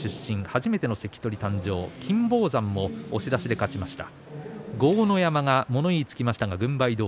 初めての関取誕生、金峰山も押し出しで勝ちました。